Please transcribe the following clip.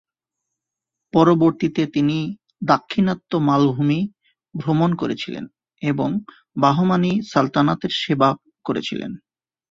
পরবর্তীতে তিনি দাক্ষিণাত্য মালভূমি ভ্রমণ করেছিলেন এবং বাহমানি সালতানাতের সেবা করেছিলেন।